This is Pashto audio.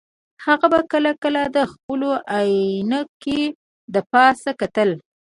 هغه به کله کله د خپلو عینکې د پاسه کتل